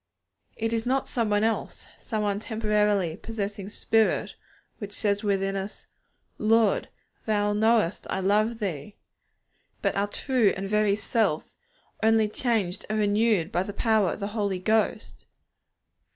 It is not some one else, some temporarily possessing spirit, which says within us, 'Lord, Thou knowest that I love Thee,' but our true and very self, only changed and renewed by the power of the Holy Ghost.